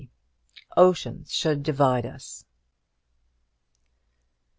"OCEANS SHOULD DIVIDE US."